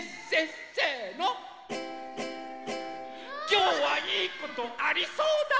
きょうはいいことありそうだ！